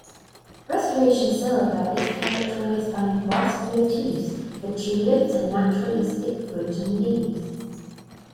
Restoration silver is characterized by embossed motifs for tulips and naturalistic fruit and leaves.